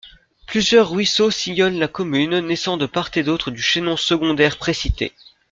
Plusieurs ruisseaux sillonnent la commune, naissant de part et d'autre du chaînon secondaire précité.